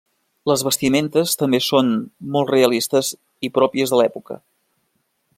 Les vestimentes també són molt realistes i pròpies de l'època.